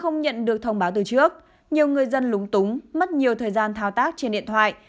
không nhận được thông báo từ trước nhiều người dân lúng túng mất nhiều thời gian thao tác trên điện thoại